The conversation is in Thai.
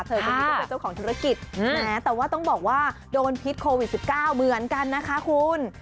เธอคือเจ้าของธุรกิจแต่ว่าต้องบอกว่าโดนพิษโควิด๑๙เบือนกันนะคะคุณ